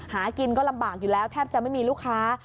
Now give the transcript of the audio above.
หากินก็ลำบากอยู่แล้วแทบจะไม่มีลูกค้า